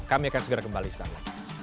kami akan segera kembali ke sana